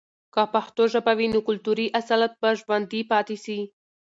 که پښتو ژبه وي، نو کلتوري اصالت به ژوندي پاتې سي.